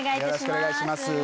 よろしくお願いします。